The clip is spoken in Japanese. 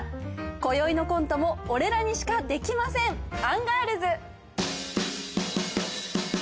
今宵のコントも俺らにしかできませんアンガールズ。